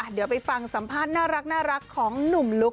เดี๋ยวไปฟังสัมภาษณ์น่ารักของหนุ่มลุค